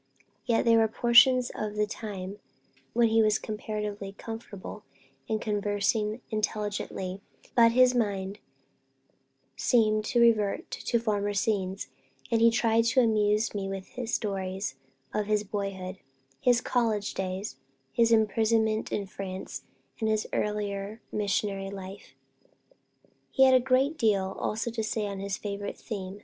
Yet there were portions of the time, when he was comparatively comfortable, and conversed intelligently; but his mind seemed to revert to former scenes, and he tried to amuse me with stories of his boyhood his college days his imprisonment in France, and his early missionary life. He had a great deal also to say on his favorite theme.